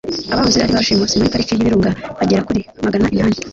abahoze ari ba rushimusi muri Pariki y'Ibirunga bagera kuri magana inani